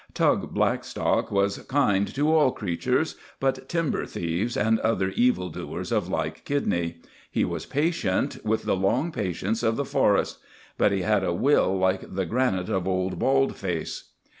Tug Blackstock was kind to all creatures but timber thieves and other evil doers of like kidney. He was patient, with the long patience of the forest. But he had a will like the granite of old Bald Face.